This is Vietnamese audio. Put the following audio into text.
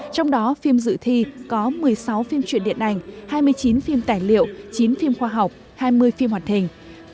trong đó phim dự thi có một mươi sáu phim truyện điện ảnh hai mươi chín phim tài liệu chín phim khoa học hai mươi phim hoạt hình